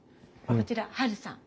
こちらハルさん。